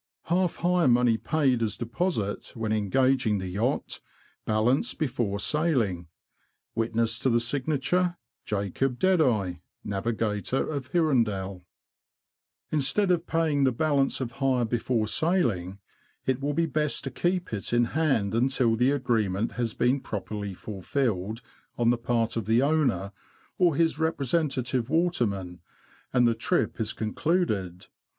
Half hire money paid as deposit, when engaging the Yacht ; balance before sailing. Witness to the Signature [JACOB DEADEYE,] [^Navigator of Hirondelle.'] Instead of paying the balance of hire before sailing, it will be best to keep it in hand until the agreement has been properly fulfilled on the part of the owner, or his representative waterman, and the trip is con cluded.